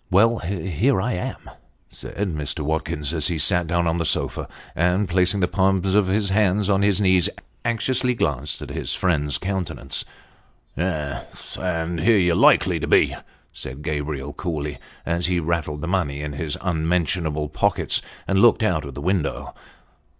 " Well, here I am," said Mr. Watkins, as he sat down on the sofa ; and placing the palms of his hands on his knees, anxiously glanced at his friend's countenance. "Yes; and here you're likely to be," said Gabriel, coolly, as he rattled the money in his unmentionable pockets, and looked out of the window.